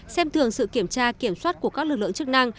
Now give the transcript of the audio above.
xem thường sự kiểm tra kiểm soát của các lực lượng chức năng